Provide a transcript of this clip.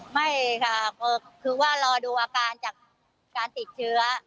ไม่ค่ะคือว่ารอดูอาการจากการติดเชื้อ